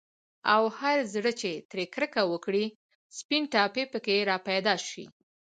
او هر زړه چي ترې كركه وكړي، سپين ټاپى په كي راپيدا شي